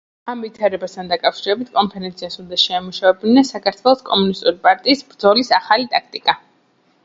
ამ ვითარებასთან დაკავშირებით კონფერენციას უნდა შეემუშავებინა საქართველოს კომუნისტური პარტიის ბრძოლის ახალი ტაქტიკა.